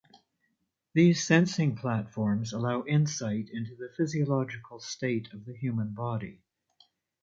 These sensing platforms allow insight into the physiological state of the human body.